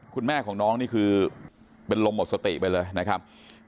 คุณแม่ของน้องนี่คือเป็นลมหมดสติไปเลยนะครับ